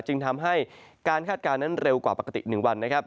จึงทำให้การคาดการณ์นั้นเร็วกว่าปกติ๑วันนะครับ